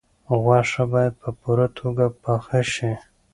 غوښه باید په پوره توګه پاخه شي.